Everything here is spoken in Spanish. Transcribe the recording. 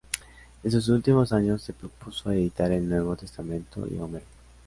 En sus últimos años se propuso editar el Nuevo Testamento y a Homero.